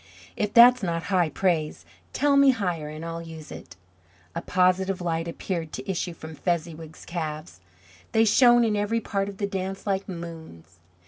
If that's not high praise, tell me higher and I'll use it. A positive light appeared to issue from Fezziwig's calves. They shone in every part of the dance like moons.